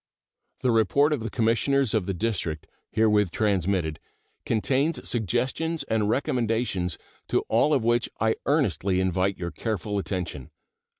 The report of the Commissioners of the District, herewith transmitted, contains suggestions and recommendations, to all of which I earnestly invite your careful attention.